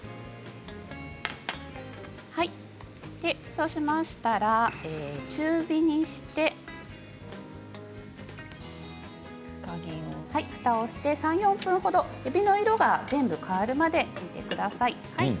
そうしましたら中火にしてふたをして３、４分ほどえびの色が全部変わるまで煮てください。